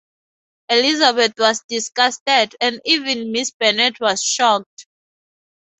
Elizabeth was disgusted, and even Miss Bennet was shocked.